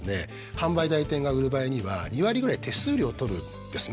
販売代理店が売る場合には２割ぐらい手数料を取るんですね。